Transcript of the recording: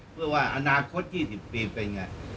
เพื่อว่าอนาคต๒๐ปีเป็นยังไง